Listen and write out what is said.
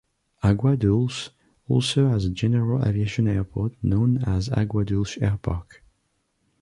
Agua Dulce also has a general aviation airport known as Agua Dulce Airpark.